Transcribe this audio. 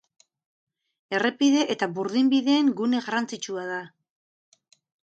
Errepide eta burdinbideen gune garrantzitsua da.